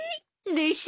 でしょ！